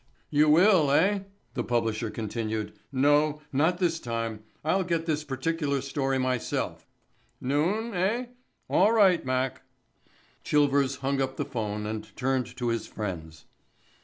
"You will, eh," the publisher continued. "No—not this time. I'll get this particular story myself—noon, eh?—all right, Mac." Chilvers hung up the phone and turned to his friends.